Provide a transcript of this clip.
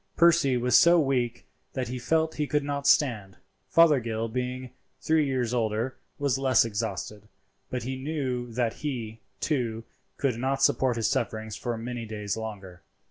Percy was so weak that he felt he could not stand. Fothergill, being three years older, was less exhausted; but he knew that he, too, could not support his sufferings for many days longer.